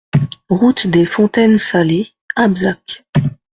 Route des Fontaines Salées, Abzac